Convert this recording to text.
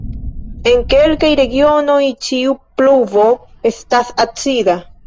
En kelkaj regionoj ĉiu pluvo estas acida.